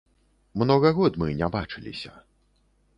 Многа год мы не бачыліся.